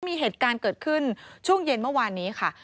มีเหตุการณ์เกิดขึ้นช่วงเย็นเมื่อวานนี้ค่ะ